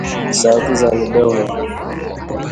Sauti za midomo